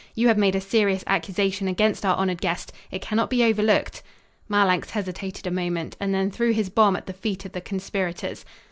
"You have made a serious accusation against our honored guest. It cannot be overlooked." Marlanx hesitated a moment, and then threw his bomb at the feet of the conspirators.